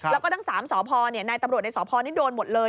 แล้วก็ทั้ง๓สพนายตำรวจในสพนี่โดนหมดเลย